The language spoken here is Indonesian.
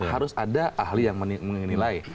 harus ada ahli yang menilai